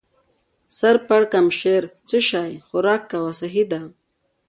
سر پړکمشر: څه شی؟ خوراک کوه، سهي ده.